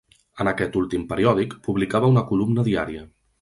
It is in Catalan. En aquest últim periòdic publicava una columna diària.